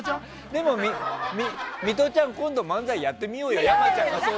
でも、ミトちゃん今度漫才やってみようよ。